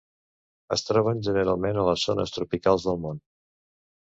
Es troben generalment a les zones tropicals del món.